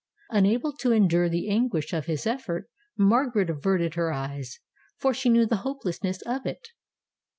Unable to endure the anguish of his effort, Margaret averted her eyes, for she knew the hopelessness of it.